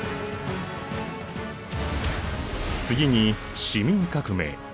次に市民革命。